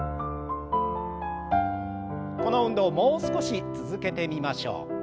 この運動をもう少し続けてみましょう。